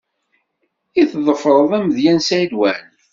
I tḍefreḍ amedya n Saɛid Waɛli?